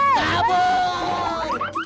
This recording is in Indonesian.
kamu ada pencuri